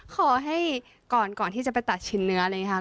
ขอให้ก่อนก่อนที่จะไปตัดชิ้นเนื้ออะไรอย่างนี้ค่ะ